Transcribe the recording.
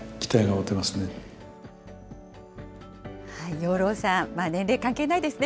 養老さん、年齢関係ないですね。